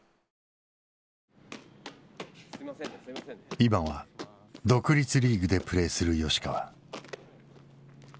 今は独立リーグでプレーする吉川。